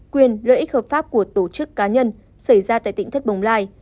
quyền lợi ích hợp pháp của tổ chức cá nhân xảy ra tại tỉnh thất bồng lai